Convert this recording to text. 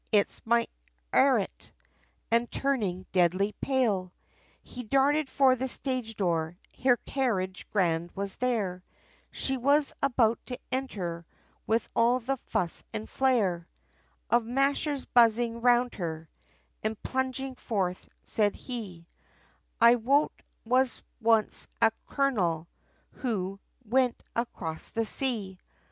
its my 'Arriet, And turning deadly pale. He darted for the stage door, Her carriage grand, was there, She was about to enter, With all the fuss, and flare, Of mashers buzzing round her; And plunging forth, said he "I'm wot was once a Colonel, who went across the sea.